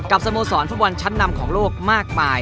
สโมสรฟุตบอลชั้นนำของโลกมากมาย